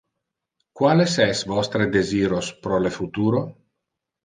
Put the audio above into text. Quales es vostre desiros pro le futuro?